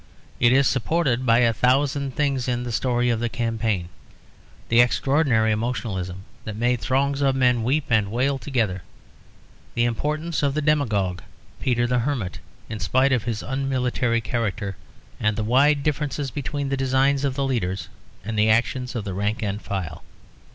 It is supported by a thousand things in the story of the campaign; the extraordinary emotionalism that made throngs of men weep and wail together, the importance of the demagogue, Peter the Hermit, in spite of his unmilitary character, and the wide differences between the designs of the leaders and the actions of the rank and file.